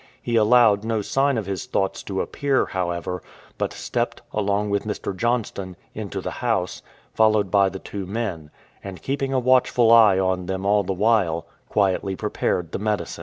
He allowed no sign of his thoughts to appear, however, but stepped, along with Mr. Johnston, into the house, followed by the two men ; and, keeping a watchful eye on them all the while, quietly prepared the medicine.